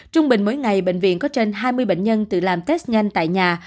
trung bình mỗi ngày bệnh viện có trên hai mươi bệnh nhân tự làm test nhanh tại nhà